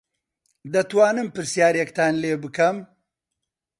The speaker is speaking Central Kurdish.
دەتوانم پرسیارێکتان لێ بکەم؟